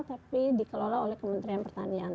tapi dikelola oleh kementerian pertanian